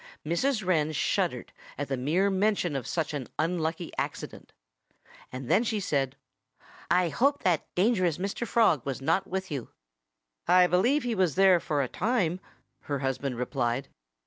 Mrs. Wren shuddered at the mere mention of such an unlucky accident. And then she said: "I hope that dangerous Mr. Frog was not with you." "I believe he was there for a time," her husband replied.